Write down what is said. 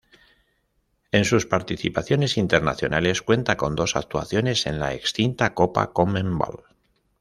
En sus participaciones internacionales cuenta con dos actuaciones en la extinta Copa Conmebol.